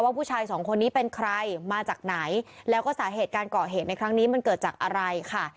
ผู้ชายสองคนนี้เป็นใครมาจากไหนแล้วก็สาเหตุการก่อเหตุในครั้งนี้มันเกิดจากอะไรค่ะ